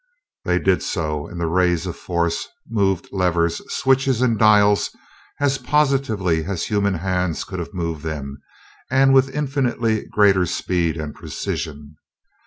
They did so, and the rays of force moved levers, switches, and dials as positively as human hands could have moved them, and with infinitely greater speed and precision.